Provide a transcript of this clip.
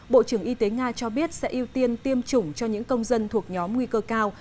bộ trưởng y tế nga cho biết sẽ ưu tiên tiêm chủng cho những công dân thuộc nhóm nguy cơ cao